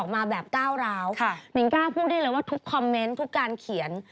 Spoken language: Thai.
แม้งก้าพูดได้เลยว่าทุกคอมเม้นท์ทุกการเขียน